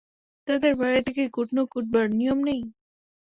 তাদের বাড়িতে কি কুটনো কুটবার নিয়ম নেই।